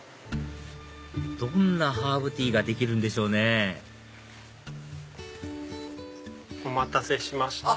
どんなハーブティーができるんでしょうねお待たせしました。